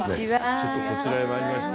ちょっとこちらへ参りまして。